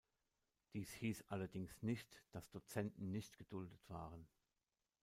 Dies hieß allerdings nicht, dass Dozenten nicht geduldet waren.